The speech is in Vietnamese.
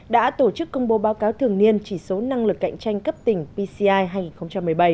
đã tổ chức công bố báo cáo thường niên chỉ số năng lực cạnh tranh cấp tiến